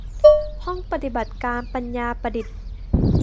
ห้องปฏิบัติการปัญญาประดิษฐ์